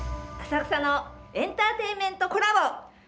浅草のエンターテインメントコラボ。